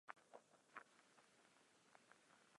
Ve stejném roce vybojoval bronz na mistrovství Evropy.